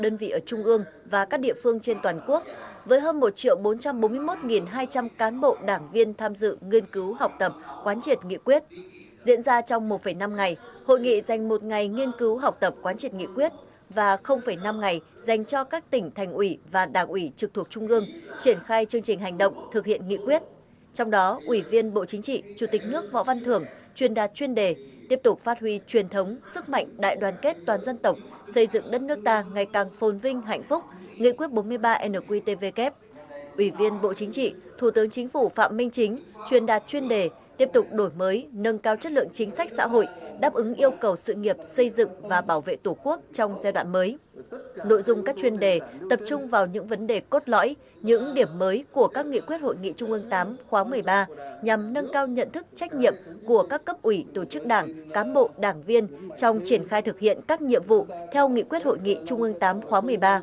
những điểm mới của các nghị quyết hội nghị trung ương tám khóa một mươi ba nhằm nâng cao nhận thức trách nhiệm của các cấp ủy tổ chức đảng cám bộ đảng viên trong triển khai thực hiện các nhiệm vụ theo nghị quyết hội nghị trung ương tám khóa một mươi ba